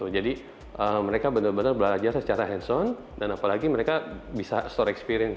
jadi mereka benar benar belajar secara hands on dan apalagi mereka bisa store experience